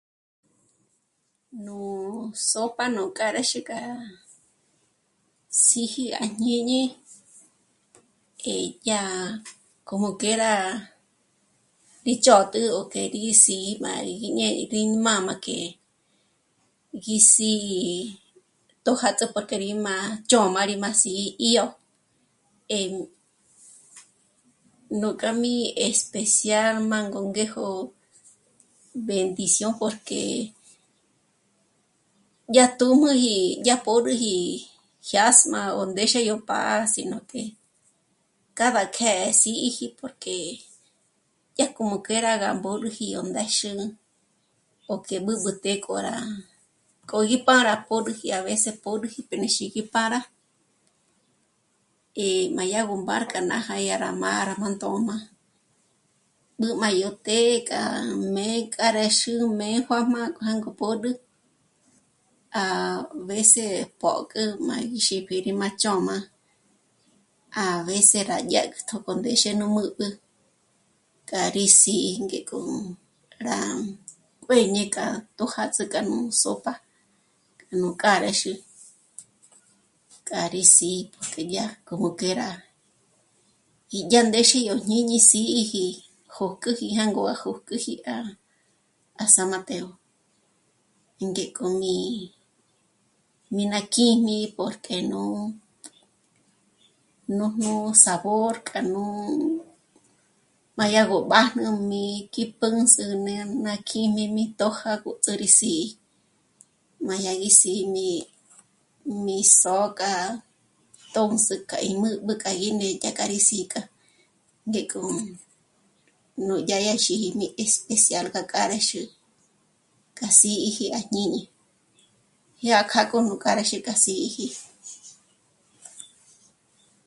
Nú sopa nú k'âraxü k'a rá síji à jñíñi e dyà como que rá pích'ö̂tü o k'e rí sí'i má rí í né'e rí mā́mā k'e gí sî'i tjòjátso porque rí má'a chö̌m'a rí má sí'i 'í'o en... Nuk'a mí especial má'a ngó ngéjo bendición porque yá tújmüji, yá pö̌rüji, jyásma ò ndéxe yó pǎ'a sí nu të́'ë, cada que síji porque yá como que rá gá mbö̌rüji ò ndéxü o k'e b'ǚb'ü të́'ë k'o rá kógi para pö̌rüji a veces pö̌rüji p'é rí xíji pâra. Eh..., má yá gó mbár k'a nája yá rá mâ'a gá ndôm'a, b'ǘ má yó të́'ë k'á 'àjmé k'âráxüjmé juā́jmā jângo pód'ü, a veces pǒk'ü má gi xípi rí má chö̌m'a, a veces rá dyá k'òtjo, k'o ndéxe nú mä̌b'ä, k'a rí sí'i ngék'o rá kuěñe k'a tjòjátsü k'a nú sopa, k'a nú k'âraxü, k'a rí sí'i k'o dyà como que rá 'ídyá ndéxe yó jñíñi sí'iji jǒküji jângo gá jǒküji à, à San Mateo. Í ngék'o mí, mí ná kíjmi porque nú, nújnu sabor k'a nú má yá ngó b'ájnu mí k'i pǘs'ü né'e ná kíjmi mí tjòjágots'ü rí si, má yá gí sí'i mí, mí s'ǒk'a tṑsü k'a í mä̌b'ä k'a gi né'e dyà k'a rí sík'a, ngék'o núdya yá xíji mí especial gá k'âraxü, k'a sí'iji à jñíñi, jyà k'a k'o nú k'âraxü k'a sí'iji